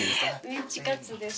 メンチカツです。